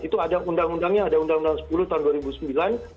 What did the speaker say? itu ada undang undangnya ada undang undang sepuluh tahun dua ribu sembilan